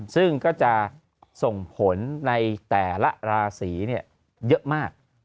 ซึ่งก็จะส่งผลในแต่ละราศีเยอะมาก